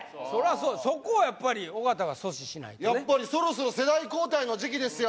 そうそこをやっぱり尾形が阻止しないとねやっぱりそろそろ世代交代の時期ですよ